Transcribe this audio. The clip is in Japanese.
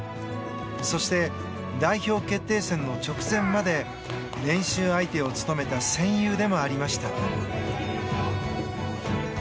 そして代表決定戦の直前まで練習相手を務めた戦友でもありました。